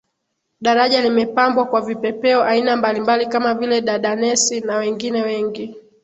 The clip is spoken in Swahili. Daraja limepambwa kwa vipepeo aina mbalimbali kama vile Dadanesi na wengine wengi